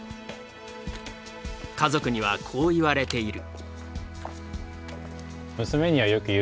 家族にはこう言われている。